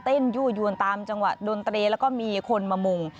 ยั่วยวนตามจังหวะดนตรีแล้วก็มีคนมามุ่ง